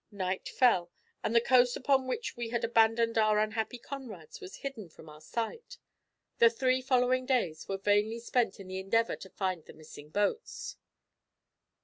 Night fell, and the coast upon which we had abandoned our unhappy comrades was hidden from our sight. The three following days were vainly spent in the endeavour to find the missing boats."